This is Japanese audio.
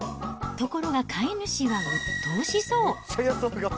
ところが飼い主はうっとうしそう。